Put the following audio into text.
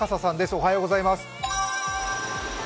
おはようございます。